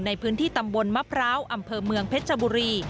ในพื้นที่ตำบลมะพร้าวอำเภอเมืองเพชรชบุรี